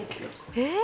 えっ？